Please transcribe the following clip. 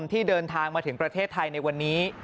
ที่เดินทางมาถึงประเทศไทยในวันนี้